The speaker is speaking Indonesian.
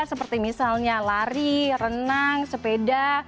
seperti misalnya lari renang sepeda